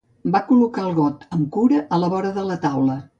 Va col·locar el got amb cura a la vora de la taula.